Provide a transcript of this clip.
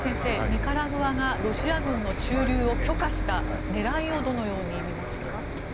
ニカラグアがロシア軍駐留を許可したその狙いをどのように見ますか。